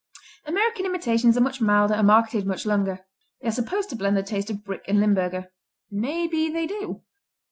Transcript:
American imitations are much milder and marketed much younger. They are supposed to blend the taste of Brick and Limburger; maybe they do.